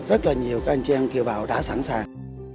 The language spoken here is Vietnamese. rất là nhiều cái anh chàng kiều bào đã sẵn sàng